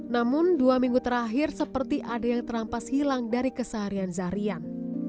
namun dua minggu terakhir seperti ada yang terampas hilang dari keseharian zahrian